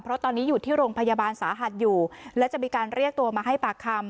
เพราะตอนนี้อยู่ที่โรงพยาบาลสาหัสอยู่และจะมีการเรียกตัวมาให้ปากคำ